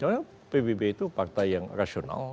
karena pbb itu partai yang rasional